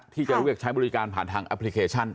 ที่จะเรียกใช้บริการผ่านทางแอปพลิเคชัน